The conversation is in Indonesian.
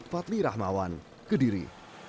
fatli rahmawan kediri